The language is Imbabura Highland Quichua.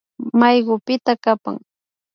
Maykupita kapan